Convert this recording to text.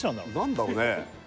何だろうね？